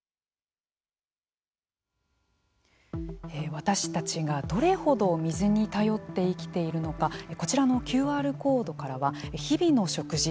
私たちがどれほど水に頼って生きているのかこちらのＱＲコードからは日々の食事